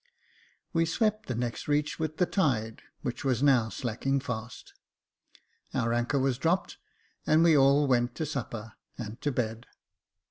We swept the next reach with the tide, which was now slacking fast. Our anchor was dropped, and we all went to supper, and to bed.